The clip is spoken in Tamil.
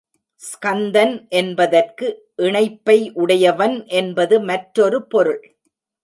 ஸ்கந்தன் என்பதற்கு இணைப்பை உடையவன் என்பது மற்றொரு பொருள்.